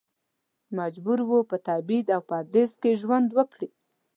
مجبور و په تبعید او پردیس کې ژوند وکړي.